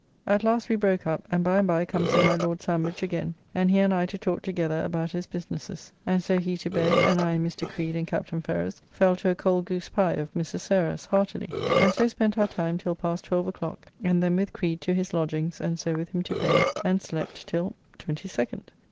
At last we broke up; and by and by comes in my Lord Sandwich again, and he and I to talk together about his businesses, and so he to bed and I and Mr. Creed and Captain Ferrers fell to a cold goose pye of Mrs. Sarah's, heartily, and so spent our time till past twelve o'clock, and then with Creed to his lodgings, and so with him to bed, and slept till 22nd.